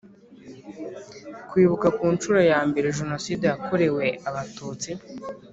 Kwibuka ku nshuro ya mbere Jenoside yakorewe Abatutsi